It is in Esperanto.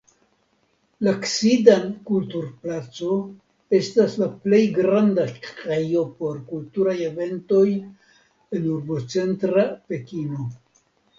La Ksidan Kulturplaco estas la plej granda ejo por kulturaj eventoj en urbocentra Pekino.